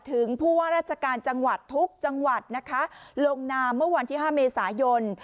ผู้ว่าราชการจังหวัดทุกจังหวัดนะคะลงนามเมื่อวันที่๕เมษายน